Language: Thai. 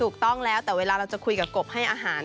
ถูกต้องแล้วแต่เวลาเราจะคุยกับกบให้อาหาร